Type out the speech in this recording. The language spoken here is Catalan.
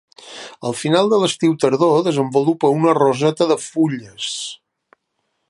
Al final de l'estiu-tardor desenvolupa una roseta de fulles.